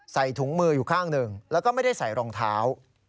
ใส่ถุงมืออยู่ข้างหนึ่งแล้วก็ไม่ได้ใส่รองเท้า